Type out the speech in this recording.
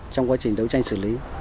trong quá trình đấu tranh xử lý